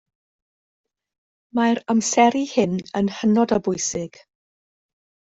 Mae'r amseru hyn yn hynod o bwysig